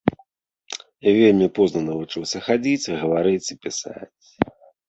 Вельмі позна навучыўся хадзіць, гаварыць і пісаць.